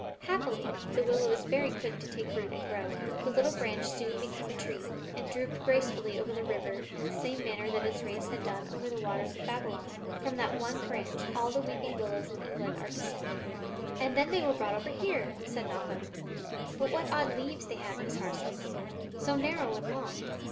Happily, the willow is very quick to take root and grow. The little branch soon became a tree, and drooped gracefully over the river in the same manner that its race had done over the waters of Babylon. From that one branch all the weeping willows in England are descended.'" "And then they were brought over here," said Malcolm. "But what odd leaves they have, Miss Harson! so narrow and long.